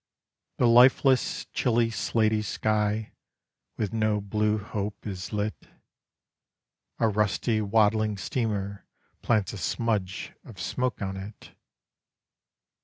The lifeless chilly slaty sky with no blue hope is lit, A rusty waddling steamer plants a smudge of smoke on it.